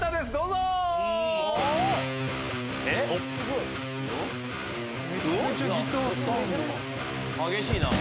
すごい！